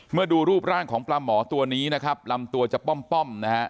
ดูรูปร่างของปลาหมอตัวนี้นะครับลำตัวจะป้อมนะฮะ